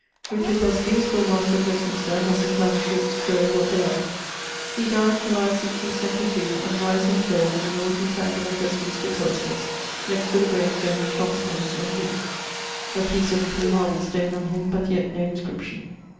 Richard Busby, schoolmaster of Westminster, has his MSS.; quaere what they are. He dyed , 167<2>; and lies interred in the north east angle of Westminster cloysters, next to the grave stone of Nurse, M.D., a piece of a blew marble stone on him but yet no inscription.